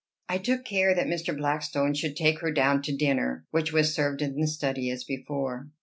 I took care that Mr. Blackstone should take her down to dinner, which was served in the study as before.